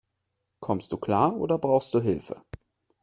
Kommst du klar, oder brauchst du Hilfe?